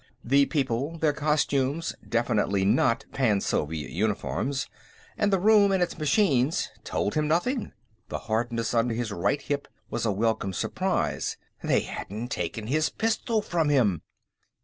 The people, their costumes definitely not Pan Soviet uniforms and the room and its machines, told him nothing. The hardness under his right hip was a welcome surprise; they hadn't taken his pistol from him!